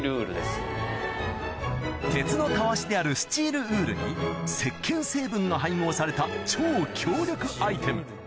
鉄のたわしであるスチールウールに石けん成分が配合された超強力アイテム